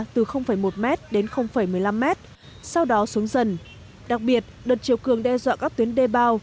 từ một m đến một mươi năm m sau đó xuống dần đặc biệt đợt chiều cường đe dọa các tuyến đê bao